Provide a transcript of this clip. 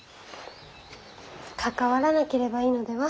関わらなければいいのでは。